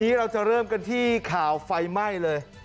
วันนี้เราจะเริ่มกันที่ข่าวไฟไหม้เลย